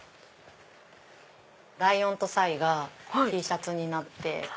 ライオンとサイがＴシャツになって。